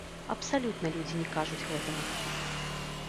Абсалютна людзі не кажуць гэтага.